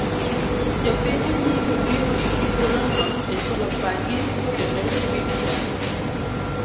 Jopiny onyis obi oti gi thuolono e chualo pachgi kotenore gi bbi